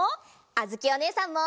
あづきおねえさんも。